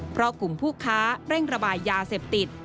เพราะกลุ่มผู้ค้าเร่งระบายยาเสพติด